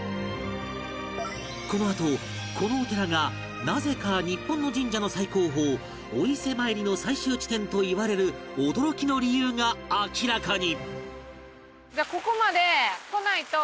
このあとこのお寺がなぜか日本の神社の最高峰お伊勢参りの最終地点と言われる驚きの理由が明らかに！